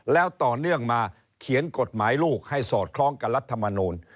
แล้วต่อเนื่องมาเขียนกฎหมายลูกให้สอดคล้องกับรัฐมนูล